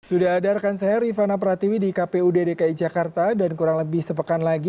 sudah ada rekan saya rifana pratiwi di kpu dki jakarta dan kurang lebih sepekan lagi